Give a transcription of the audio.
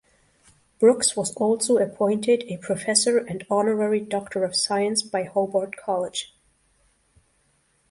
Brooks was also appointed a Professor and Honorary Doctor of Science by Hobart College.